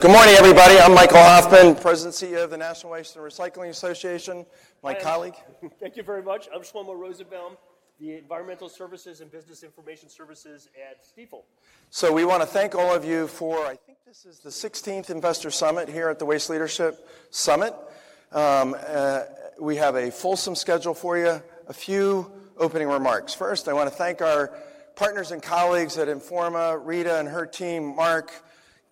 Good morning, everybody. I'm Michael Hoffman, President and CEO of the National Waste & Recycling Association. My colleague. Thank you very much. I'm Shlomo Rosenbaum, the Environmental Services and Business Information Services at Stifel. We want to thank all of you for, I think this is the 16th Investor Summit here at the Waste Leadership Summit. We have a fulsome schedule for you. A few opening remarks. First, I want to thank our partners and colleagues at Informa, Rita and her team, Mark,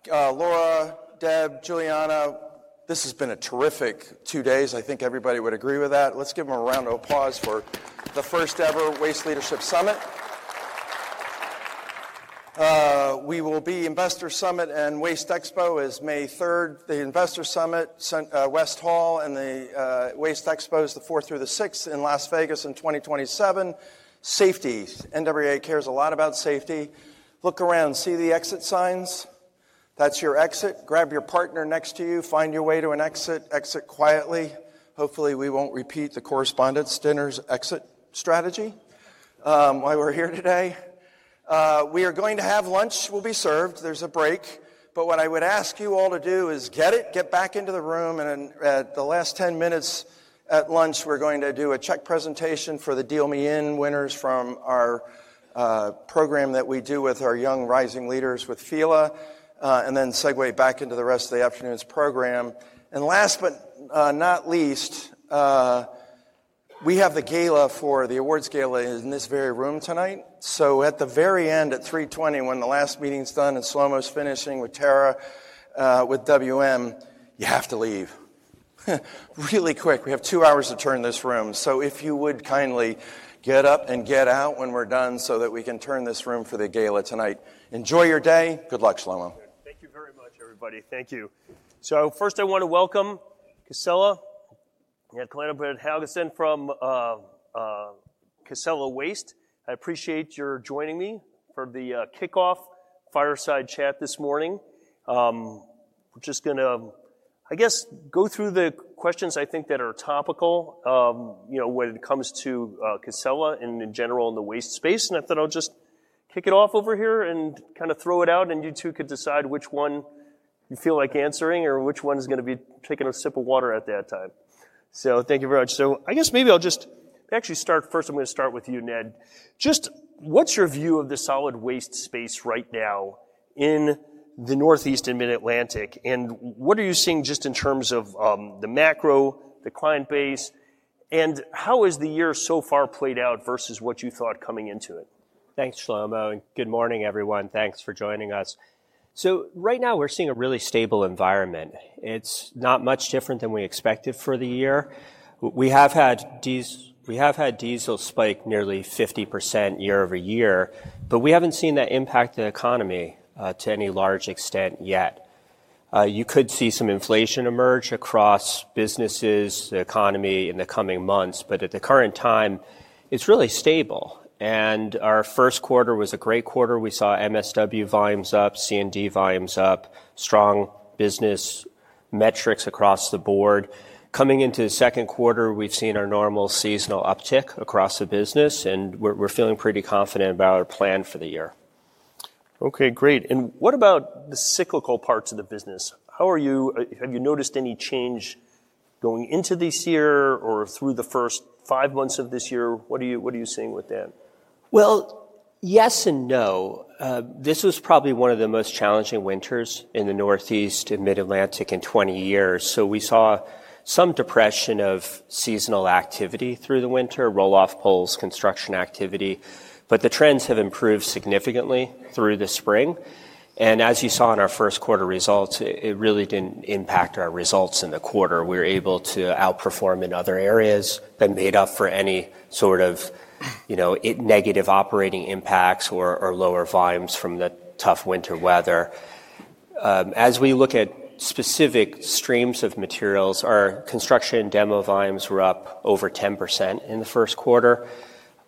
Laura, Deb, Juliana. This has been a terrific two days. I think everybody would agree with that. Let's give them a round of applause for the first ever Waste Leadership Summit. We will be Investor Summit, and WasteExpo is May 3rd, the Investor Summit, West Hall, and the WasteExpo is the 4th through the 6th in Las Vegas in 2027. Safety. NWRA cares a lot about safety. Look around. See the exit signs? That's your exit. Grab your partner next to you. Find your way to an exit. Exit quietly. Hopefully, we won't repeat the correspondence dinner's exit strategy. Why we're here today. We are going to have lunch will be served. There's a break. What I would ask you all to do is get back into the room, and at the last 10 minutes at lunch, we're going to do a check presentation for the Deal Me In winners from our program that we do with our young rising leaders with FILA, and then segue back into the rest of the afternoon's program. Last but not least, we have the gala for, the awards gala is in this very room tonight. At the very end at 3:20 P.M., when the last meeting's done and Shlomo's finishing with Tara with WM, you have to leave really quick. We have two hours to turn this room. If you would kindly get up and get out when we're done so that we can turn this room for the gala tonight. Enjoy your day. Good luck, Shlomo. Thank you very much, everybody. Thank you. First I want to welcome Casella. Ned Coletta, Brad Helgeson from Casella Waste. I appreciate your joining me for the kickoff fireside chat this morning. We're just going to, I guess, go through the questions I think that are topical, when it comes to Casella in general and the waste space, and I thought I'll just kick it off over here and throw it out, and you two could decide which one you feel like answering or which one is going to be taking a sip of water at that time. Thank you very much. I guess maybe I'll just actually start. First, I'm going to start with you, Ned. Just what's your view of the solid waste space right now in the Northeast and Mid-Atlantic, and what are you seeing just in terms of the macro, the client base, and how has the year so far played out versus what you thought coming into it? Thanks, Shlomo, and good morning, everyone. Thanks for joining us. Right now, we're seeing a really stable environment. It's not much different than we expected for the year. We have had diesel spike nearly 50% year-over-year, but we haven't seen that impact the economy to any large extent yet. You could see some inflation emerge across businesses, the economy in the coming months, but at the current time, it's really stable, and our first quarter was a great quarter. We saw MSW volumes up, C&D volumes up, strong business metrics across the board. Coming into the second quarter, we've seen our normal seasonal uptick across the business, and we're feeling pretty confident about our plan for the year. Okay. Great, what about the cyclical parts of the business? Have you noticed any change going into this year or through the first five months of this year? What are you seeing with that? Well, yes and no. This was probably one of the most challenging winters in the Northeast and Mid-Atlantic in 20 years. We saw some depression of seasonal activity through the winter, roll-off, pulls, construction activity. The trends have improved significantly through the spring. As you saw in our first quarter results, it really didn't impact our results in the quarter. We were able to outperform in other areas that made up for any sort of negative operating impacts or lower volumes from the tough winter weather. As we look at specific streams of materials, our construction demo volumes were up over 10% in the first quarter.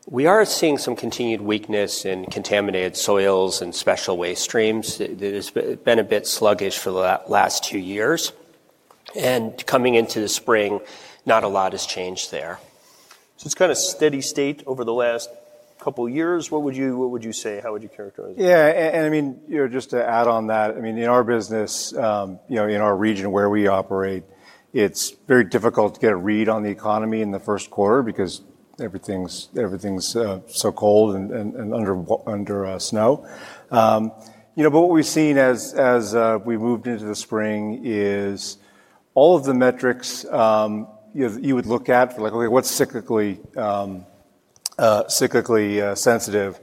We are seeing some continued weakness in contaminated soils and special waste streams. It has been a bit sluggish for the last two years. Coming into the spring, not a lot has changed there. It's kind of steady state over the last couple of years. What would you say? How would you characterize it? Yeah, just to add on that, in our business, in our region where we operate, it's very difficult to get a read on the economy in the first quarter because everything's so cold and under snow. What we've seen as we moved into the spring is all of the metrics you would look at for like, okay, what's cyclically sensitive,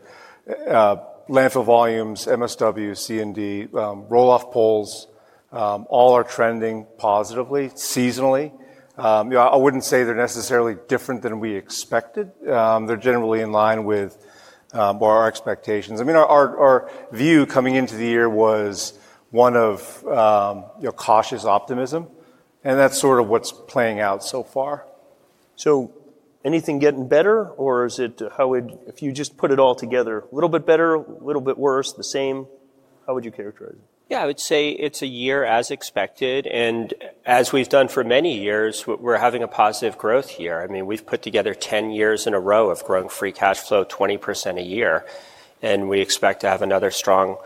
landfill volumes, MSW, C&D, roll-off, pulls, all are trending positively seasonally. I wouldn't say they're necessarily different than we expected. They're generally in line with our expectations. Our view coming into the year was one of cautious optimism. That's sort of what's playing out so far. Anything getting better, or is it If you just put it all together, a little bit better, a little bit worse, the same? How would you characterize it? Yeah, I would say it's a year as expected, and as we've done for many years, we're having a positive growth year. We've put together 10 years in a row of growing free cash flow 20% a year, and we expect to have another strong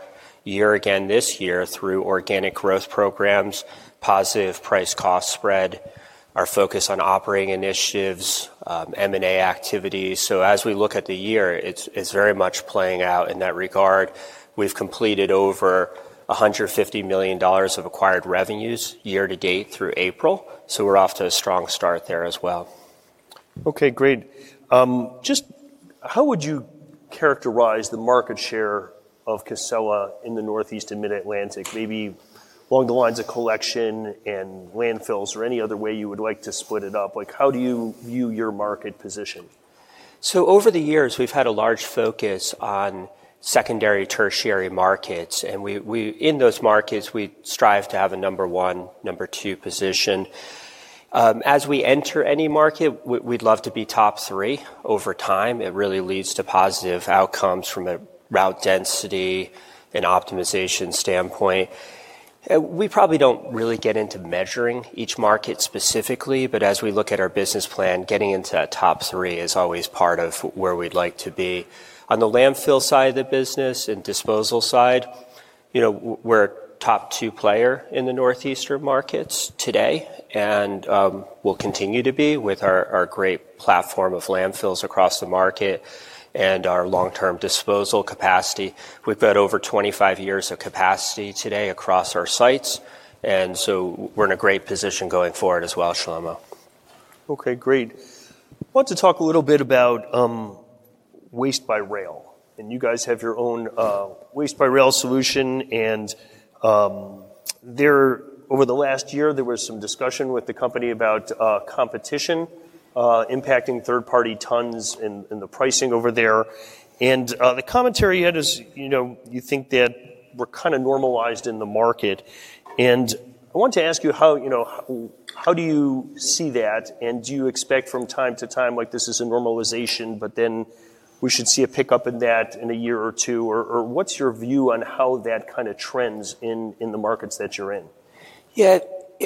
year again this year through organic growth programs, positive price-cost spread, our focus on operating initiatives, M&A activity. As we look at the year, it's very much playing out in that regard. We've completed over $150 million of acquired revenues year to date through April, we're off to a strong start there as well. Okay, great. Just how would you characterize the market share of Casella in the Northeast and Mid-Atlantic? Maybe along the lines of collection and landfills or any other way you would like to split it up. How do you view your market position? Over the years, we've had a large focus on secondary, tertiary markets, and in those markets, we strive to have a number one, number two position. As we enter any market, we'd love to be top three over time. It really leads to positive outcomes from a route density and optimization standpoint. We probably don't really get into measuring each market specifically, but as we look at our business plan, getting into that top three is always part of where we'd like to be. On the landfill side of the business and disposal side, we're a top two player in the Northeastern markets today, and we'll continue to be with our great platform of landfills across the market and our long-term disposal capacity. We've got over 25 years of capacity today across our sites, we're in a great position going forward as well, Shlomo. Okay, great. I want to talk a little bit about waste-to-rail, and you guys have your own waste-to-rail solution. Over the last year, there was some discussion with the company about competition impacting third-party tons and the pricing over there. The commentary you had is, you think that we're kind of normalized in the market. I want to ask you how do you see that, and do you expect from time to time, like this is a normalization, but then we should see a pickup in that in a year or two? What's your view on how that kind of trends in the markets that you're in? Yeah.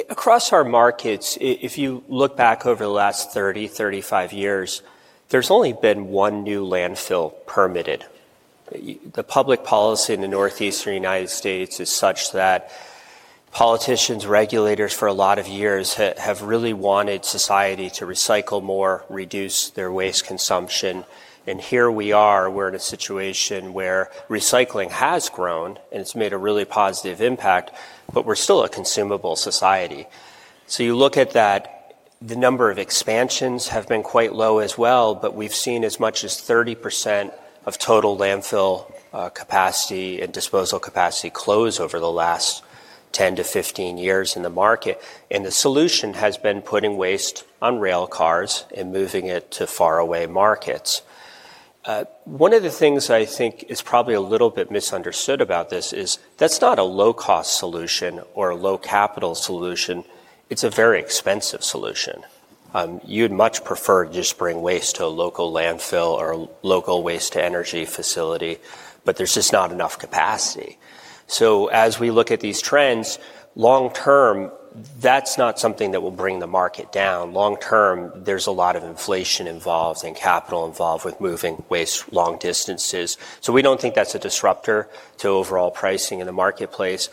Across our markets, if you look back over the last 30, 35 years, there's only been one new landfill permitted. The public policy in the Northeastern U.S. is such that politicians, regulators for a lot of years have really wanted society to recycle more, reduce their waste consumption, and here we are. We're in a situation where recycling has grown, and it's made a really positive impact, but we're still a consumable society. You look at that, the number of expansions have been quite low as well, but we've seen as much as 30% of total landfill capacity and disposal capacity close over the last 10-15 years in the market. The solution has been putting waste on rail cars and moving it to faraway markets. One of the things I think is probably a little bit misunderstood about this is that's not a low-cost solution or a low-capital solution. It's a very expensive solution. You'd much prefer to just bring waste to a local landfill or a local waste-to-energy facility, but there's just not enough capacity. As we look at these trends, long term, that's not something that will bring the market down. Long term, there's a lot of inflation involved and capital involved with moving waste long distances. We don't think that's a disruptor to overall pricing in the marketplace.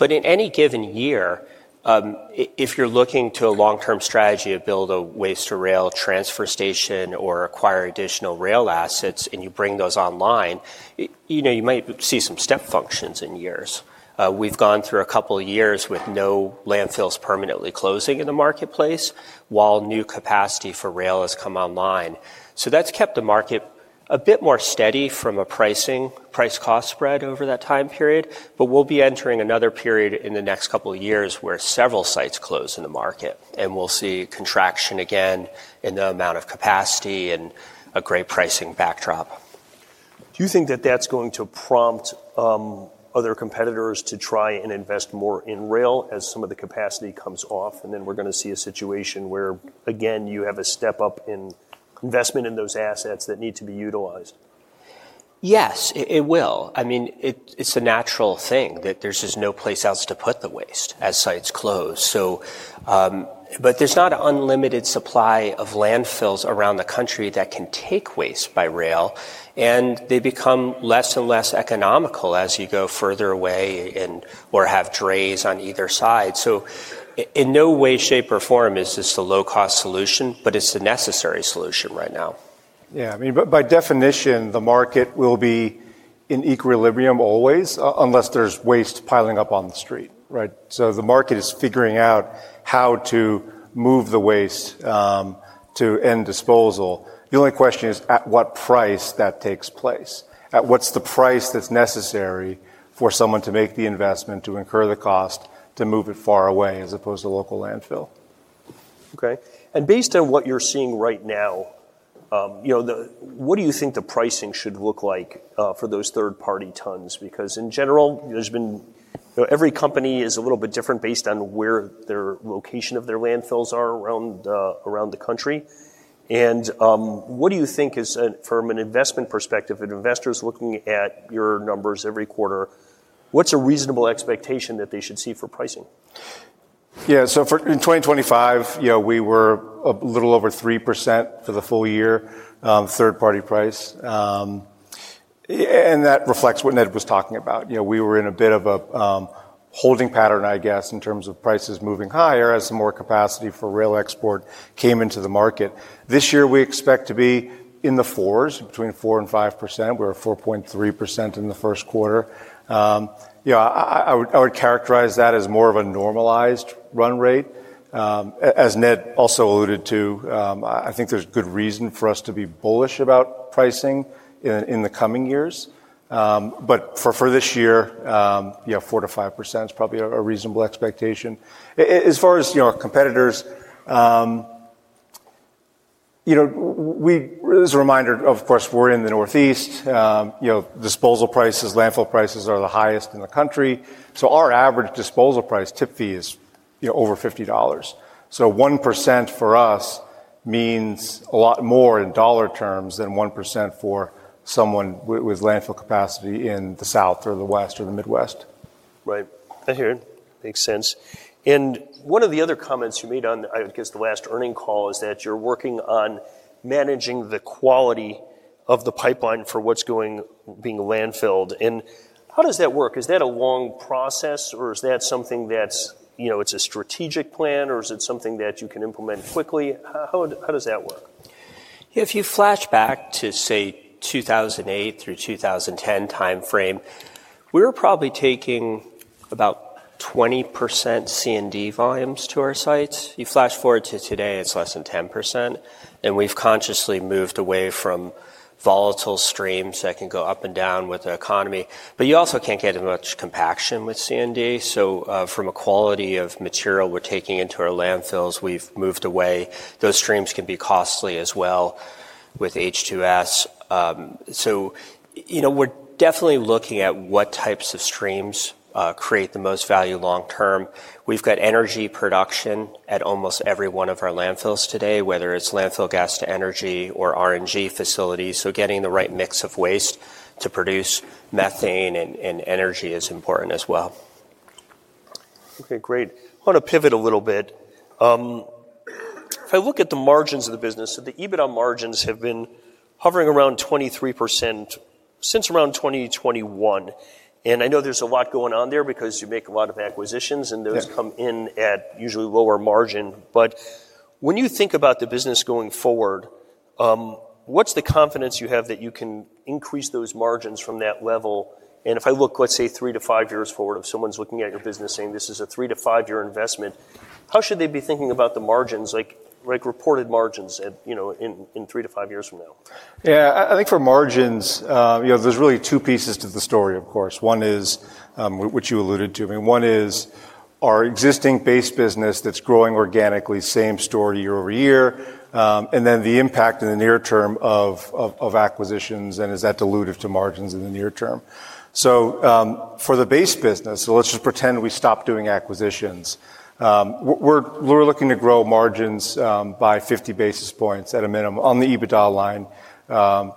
In any given year, if you're looking to a long-term strategy to build a waste-to-rail transfer station or acquire additional rail assets, and you bring those online, you might see some step functions in years. We've gone through a couple of years with no landfills permanently closing in the marketplace, while new capacity for rail has come online. That's kept the market a bit more steady from a price-cost spread over that time period. We'll be entering another period in the next couple of years where several sites close in the market, and we'll see contraction again in the amount of capacity and a great pricing backdrop. Do you think that that's going to prompt other competitors to try and invest more in rail as some of the capacity comes off, and then we're going to see a situation where, again, you have a step up in investment in those assets that need to be utilized? Yes, it will. It's a natural thing that there's just no place else to put the waste as sites close. There's not an unlimited supply of landfills around the country that can take waste by rail, and they become less and less economical as you go further away or have drays on either side. In no way, shape, or form is this a low-cost solution, but it's a necessary solution right now. Yeah. By definition, the market will be in equilibrium always, unless there's waste piling up on the street. Right? The market is figuring out how to move the waste to end disposal. The only question is at what price that takes place. At what's the price that's necessary for someone to make the investment, to incur the cost, to move it far away as opposed to a local landfill? Okay. Based on what you're seeing right now, what do you think the pricing should look like for those third-party tons? In general, every company is a little bit different based on where their location of their landfills are around the country. What do you think is, from an investment perspective, an investor's looking at your numbers every quarter, what's a reasonable expectation that they should see for pricing? In 2025, we were a little over 3% for the full year, third-party price. That reflects what Ned was talking about. We were in a bit of a holding pattern, I guess, in terms of prices moving higher as some more capacity for rail export came into the market. This year, we expect to be in the fours, between 4% and 5%. We're at 4.3% in the first quarter. I would characterize that as more of a normalized run rate. As Ned also alluded to, I think there's good reason for us to be bullish about pricing in the coming years. For this year, 4%-5% is probably a reasonable expectation. As far as our competitors, as a reminder, of course, we're in the Northeast. Disposal prices, landfill prices are the highest in the country. Our average disposal price tip fee is over $50. 1% for us means a lot more in dollar terms than 1% for someone with landfill capacity in the South or the West or the Midwest. Right. I hear it. Makes sense. One of the other comments you made on, I guess, the last earnings call is that you're working on managing the quality of the pipeline for what's being landfilled. How does that work? Is that a long process, or is that something that's a strategic plan, or is it something that you can implement quickly? How does that work? If you flash back to, say, 2008-2010 timeframe, we were probably taking about 20% C&D volumes to our sites. You flash forward to today, it's less than 10%, we've consciously moved away from volatile streams that can go up and down with the economy. You also can't get as much compaction with C&D. From a quality of material we're taking into our landfills, we've moved away. Those streams can be costly as well with H2S. We're definitely looking at what types of streams create the most value long term. We've got energy production at almost every one of our landfills today, whether it's landfill gas to energy or RNG facilities. Getting the right mix of waste to produce methane and energy is important as well. Okay, great. I want to pivot a little bit. If I look at the margins of the business, the EBITDA margins have been hovering around 23% since around 2021. I know there's a lot going on there because you make a lot of acquisitions, and those Yeah come in at usually lower margin. When you think about the business going forward, what's the confidence you have that you can increase those margins from that level? If I look, let's say, three to five years forward, if someone's looking at your business saying, "This is a three to five-year investment," how should they be thinking about the margins, like reported margins in three to five years from now? Yeah. I think for margins, there's really two pieces to the story, of course. One is, which you alluded to. I mean, one is our existing base business that's growing organically, same story year-over-year. Then the impact in the near term of acquisitions, is that dilutive to margins in the near term? For the base business, let's just pretend we stopped doing acquisitions. We're looking to grow margins by 50 basis points at a minimum on the EBITDA line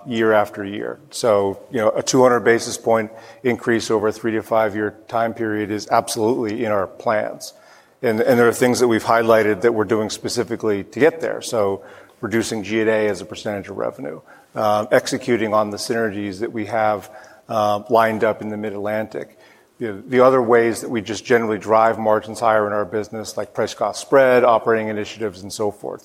year-after-year. A 200 basis point increase over a three to five-year time period is absolutely in our plans. There are things that we've highlighted that we're doing specifically to get there. Reducing G&A as a percentage of revenue, executing on the synergies that we have lined up in the Mid-Atlantic. The other ways that we just generally drive margins higher in our business, like price-cost spread, operating initiatives, and so forth.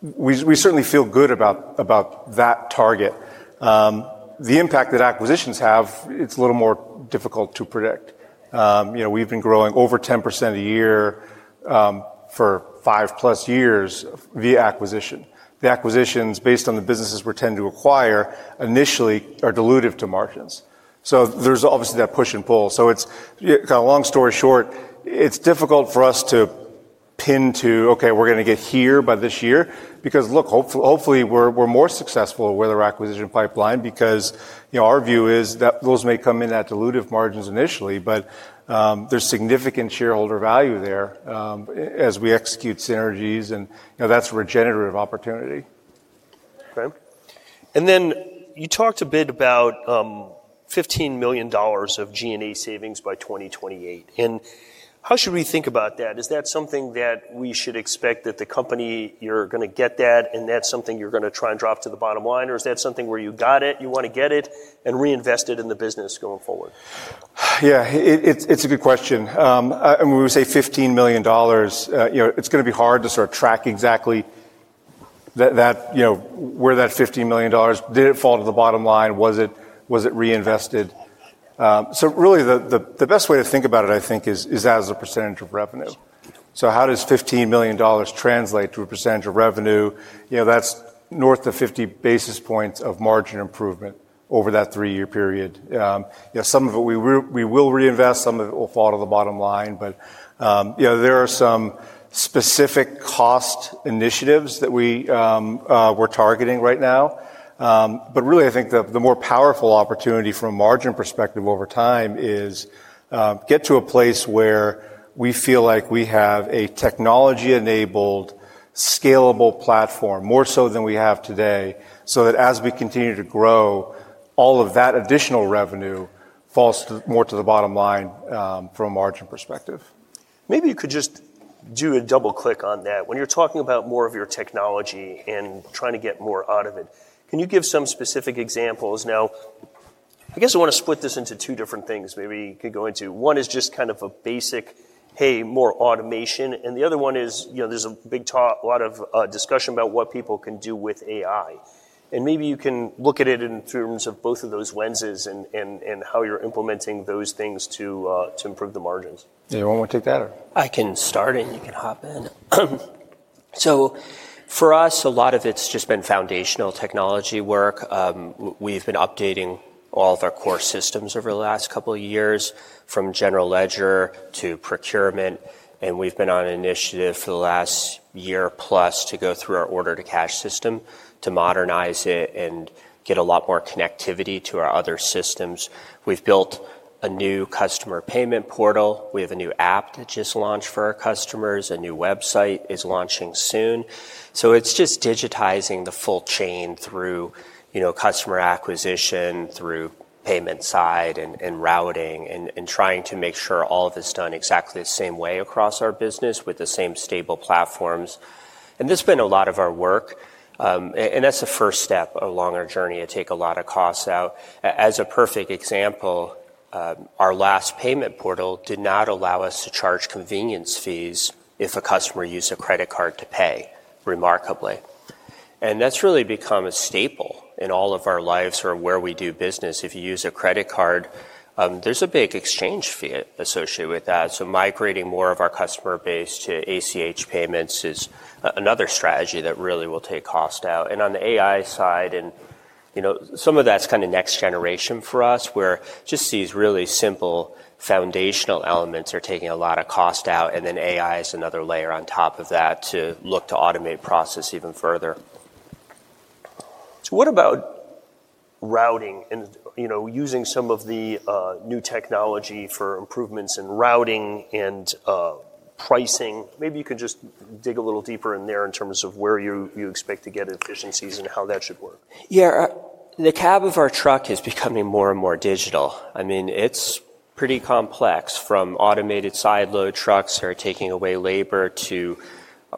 We certainly feel good about that target. The impact that acquisitions have, it's a little more difficult to predict. We've been growing over 10% a year for 5+ years via acquisition. The acquisitions, based on the businesses we tend to acquire initially, are dilutive to margins. There's obviously that push and pull. Long story short, it's difficult for us to pin to, "Okay, we're going to get here by this year," because look, hopefully, we're more successful with our acquisition pipeline because our view is that those may come in at dilutive margins initially, but there's significant shareholder value there as we execute synergies, and that's regenerative opportunity. Okay. Then you talked a bit about $15 million of G&A savings by 2028. How should we think about that? Is that something that we should expect that the company, you're going to get that, and that's something you're going to try and drop to the bottom line, or is that something where you got it, you want to get it, and reinvest it in the business going forward? Yeah. It's a good question. When we say $15 million, it's going to be hard to sort of track exactly where that $15 million. Did it fall to the bottom line? Was it reinvested? Really, the best way to think about it, I think, is as a percent of revenue. How does $15 million translate to a percent of revenue? That's north of 50 basis points of margin improvement over that three-year period. Some of it we will reinvest, some of it will fall to the bottom line. There are some specific cost initiatives that we're targeting right now. Really, I think the more powerful opportunity from a margin perspective over time is get to a place where we feel like we have a technology-enabled, scalable platform, more so than we have today, so that as we continue to grow, all of that additional revenue falls more to the bottom line from a margin perspective. Maybe you could just do a double click on that. When you're talking about more of your technology and trying to get more out of it, can you give some specific examples? Now, I guess I want to split this into two different things maybe you could go into. One is just kind of a basic, hey, more automation, and the other one is, there's a big talk, a lot of discussion about what people can do with AI. Maybe you can look at it in terms of both of those lenses and how you're implementing those things to improve the margins. Do you want to take that or? I can start, and you can hop in. For us, a lot of it's just been foundational technology work. We've been updating all of our core systems over the last couple of years, from general ledger to procurement. We've been on an initiative for the last year plus to go through our order-to-cash system to modernize it and get a lot more connectivity to our other systems. We've built a new customer payment portal. We have a new app that just launched for our customers. A new website is launching soon. It's just digitizing the full chain through customer acquisition, through payment side and routing and trying to make sure all of it's done exactly the same way across our business with the same stable platforms. That's been a lot of our work. That's the first step along our journey to take a lot of costs out. As a perfect example, our last payment portal did not allow us to charge convenience fees if a customer used a credit card to pay, remarkably. That's really become a staple in all of our lives or where we do business. If you use a credit card, there's a big exchange fee associated with that. Migrating more of our customer base to ACH payments is another strategy that really will take cost out. On the AI side, some of that's kind of next generation for us, where just these really simple foundational elements are taking a lot of cost out. AI is another layer on top of that to look to automate process even further. What about routing and using some of the new technology for improvements in routing and pricing? Maybe you can just dig a little deeper in there in terms of where you expect to get efficiencies and how that should work. The cab of our truck is becoming more and more digital. It's pretty complex, from automated side load trucks that are taking away labor to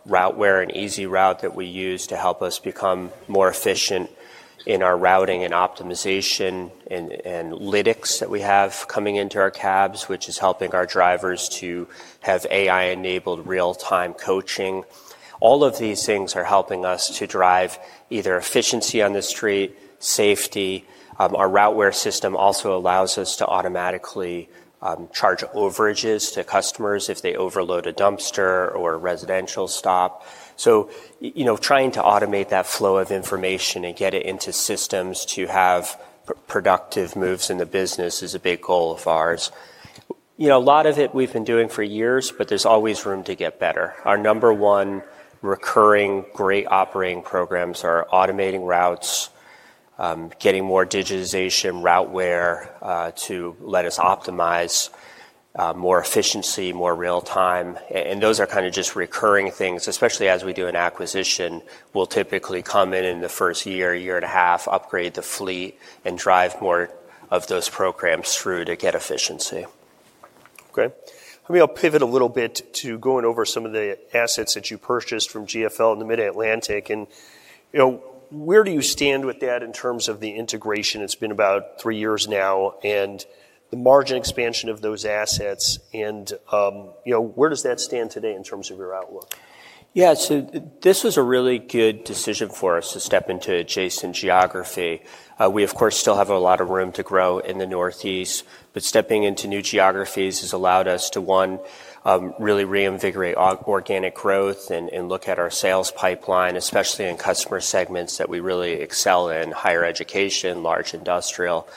Routeware and EasyRoute that we use to help us become more efficient in our routing and optimization, and Lytx that we have coming into our cabs, which is helping our drivers to have AI-enabled real-time coaching. All of these things are helping us to drive either efficiency on the street, safety. Our Routeware system also allows us to automatically charge overages to customers if they overload a dumpster or a residential stop. Trying to automate that flow of information and get it into systems to have productive moves in the business is a big goal of ours. A lot of it we've been doing for years, but there's always room to get better. Our number one recurring great operating programs are automating routes, getting more digitization, Routeware, to let us optimize more efficiency, more real time, and those are kind of just recurring things. Especially as we do an acquisition, we'll typically come in in the first year and a half, upgrade the fleet, and drive more of those programs through to get efficiency. Maybe I'll pivot a little bit to going over some of the assets that you purchased from GFL in the mid-Atlantic. Where do you stand with that in terms of the integration? It's been about three years now, the margin expansion of those assets and where does that stand today in terms of your outlook? This was a really good decision for us to step into adjacent geography. We, of course, still have a lot of room to grow in the Northeast, but stepping into new geographies has allowed us to, one, really reinvigorate organic growth and look at our sales pipeline, especially in customer segments that we really excel in, higher education, large industrial.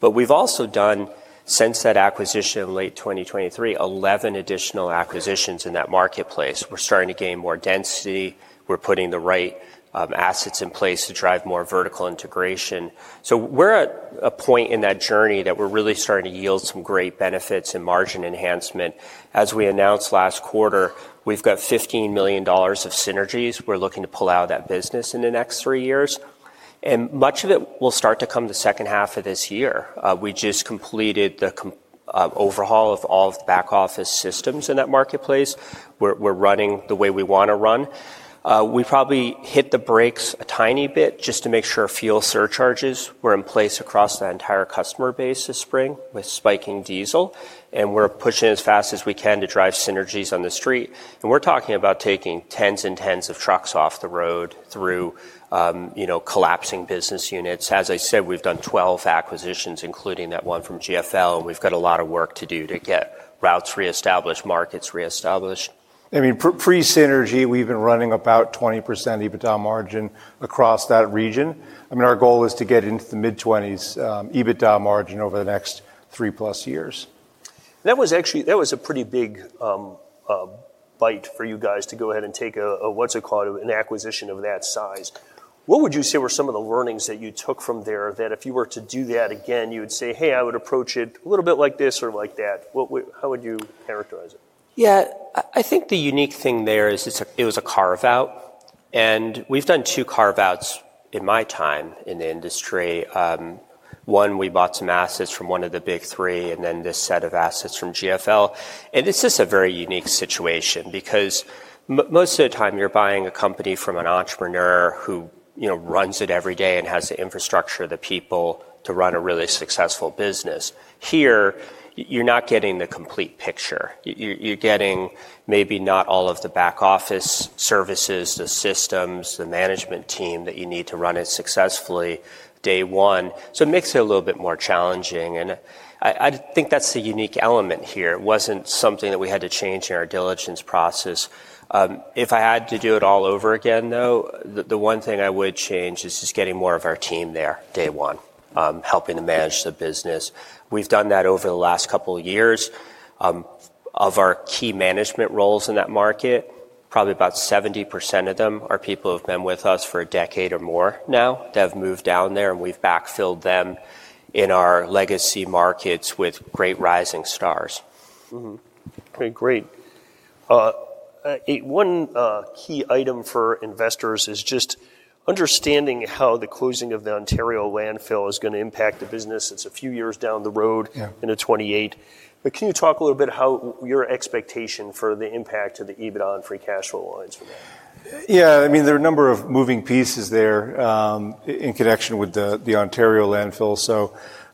We've also done, since that acquisition in late 2023, 11 additional acquisitions in that marketplace. We're starting to gain more density. We're putting the right assets in place to drive more vertical integration. We're at a point in that journey that we're really starting to yield some great benefits in margin enhancement. As we announced last quarter, we've got $15 million of synergies we're looking to pull out of that business in the next three years. Much of it will start to come the second half of this year. We just completed the overhaul of all of the back-office systems in that marketplace. We're running the way we want to run. We probably hit the brakes a tiny bit just to make sure fuel surcharges were in place across the entire customer base this spring with spiking diesel, we're pushing as fast as we can to drive synergies on the street. We're talking about taking tens and tens of trucks off the road through collapsing business units. As I said, we've done 12 acquisitions, including that one from GFL, we've got a lot of work to do to get routes reestablished, markets reestablished. Pre-synergy, we've been running about 20% EBITDA margin across that region. Our goal is to get into the mid-20s EBITDA margin over the next 3+ years. That was a pretty big bite for you guys to go ahead and take a, what's it called, an acquisition of that size. What would you say were some of the learnings that you took from there that if you were to do that again, you would say, "Hey, I would approach it a little bit like this or like that"? How would you characterize it? Yeah. I think the unique thing there is it was a carve-out. We've done two carve-outs in my time in the industry. One, we bought some assets from one of the big three, and then this set of assets from GFL. It's just a very unique situation because most of the time you're buying a company from an entrepreneur who runs it every day and has the infrastructure, the people, to run a really successful business. Here, you're not getting the complete picture. You're getting maybe not all of the back-office services, the systems, the management team that you need to run it successfully day one. It makes it a little bit more challenging, and I think that's the unique element here. It wasn't something that we had to change in our diligence process. If I had to do it all over again, though, the one thing I would change is just getting more of our team there day one, helping to manage the business. We've done that over the last couple of years. Of our key management roles in that market, probably about 70% of them are people who have been with us for a decade or more now that have moved down there, and we've backfilled them in our legacy markets with great rising stars. Mm-hmm. Okay, great. One key item for investors is just understanding how the closing of the Ontario landfill is going to impact the business. It's a few years down the road- Yeah End of 2028. Can you talk a little bit how your expectation for the impact of the EBITDA and free cash flow lines for that? Yeah. There are a number of moving pieces there in connection with the Ontario landfill.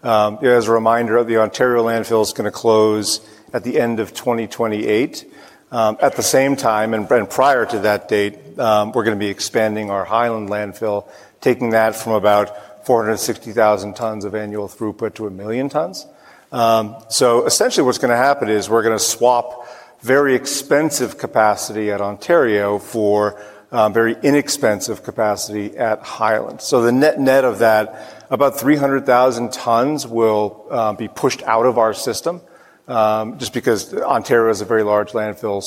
As a reminder, the Ontario landfill is going to close at the end of 2028. At the same time, and prior to that date, we're going to be expanding our Hyland Landfill, taking that from about 460,000 tons of annual throughput to 1 million tons. Essentially, what's going to happen is we're going to swap very expensive capacity at Ontario for very inexpensive capacity at Highland. The net of that, about 300,000 tons will be pushed out of our system, just because Ontario is a very large landfill,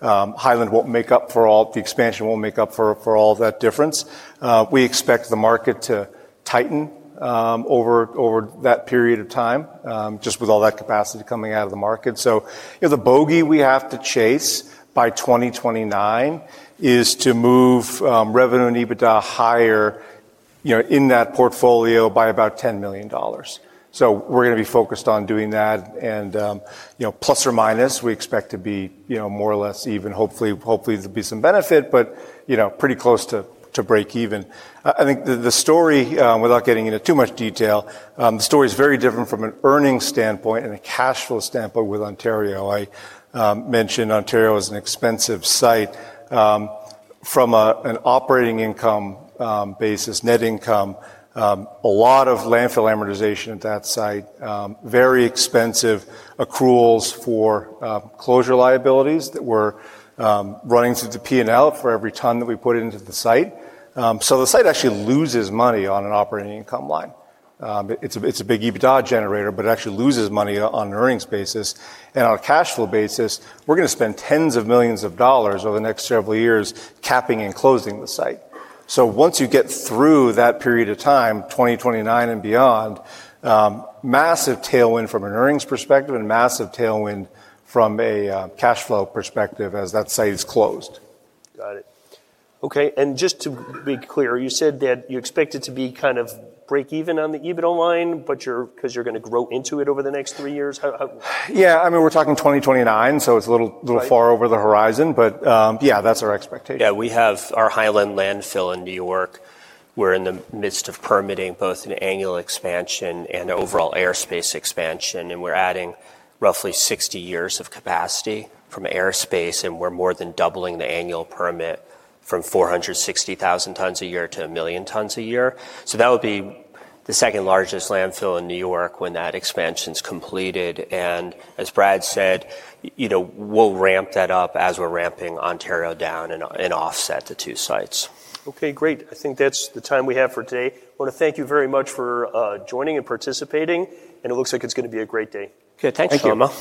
The expansion won't make up for all that difference. We expect the market to tighten over that period of time, just with all that capacity coming out of the market. The bogey we have to chase by 2029 is to move revenue and EBITDA higher in that portfolio by about $10 million. We're going to be focused on doing that and plus or minus, we expect to be more or less even. Hopefully, there'll be some benefit, but pretty close to break even. I think the story, without getting into too much detail, the story is very different from an earnings standpoint and a cash flow standpoint with Ontario. I mentioned Ontario is an expensive site. From an operating income basis, net income, a lot of landfill amortization at that site, very expensive accruals for closure liabilities that we're running through the P&L for every ton that we put into the site. The site actually loses money on an operating income line. It's a big EBITDA generator, but it actually loses money on an earnings basis. On a cash flow basis, we're going to spend tens of millions of dollars over the next several years capping and closing the site. Once you get through that period of time, 2029 and beyond, massive tailwind from an earnings perspective and massive tailwind from a cash flow perspective as that site is closed. Got it. Okay, just to be clear, you said that you expect it to be break even on the EBITDA line because you're going to grow into it over the next three years? Yeah. We're talking 2029. Right far over the horizon. Yeah, that's our expectation. Yeah. We have our Highland landfill in New York. We're in the midst of permitting both an annual expansion and overall airspace expansion, and we're adding roughly 60 years of capacity from airspace, and we're more than doubling the annual permit from 460,000 tons a year to a million tons a year. That would be the second-largest landfill in New York when that expansion's completed. As Brad said, we'll ramp that up as we're ramping Ontario down and offset the two sites. Okay, great. I think that's the time we have for today. I want to thank you very much for joining and participating, it looks like it's going to be a great day. Okay, thank you. Thank you.